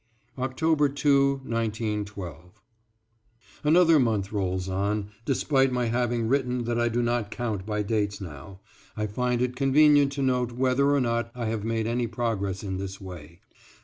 =, October 2, 1912.= Another month rolls on, despite my having writen that I do not count by dates now, I find it convenient to note whether or not I have made any progress in this way.